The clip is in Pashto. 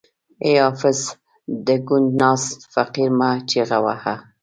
ای حافظ د کونج ناست فقیر مه چیغه وهه.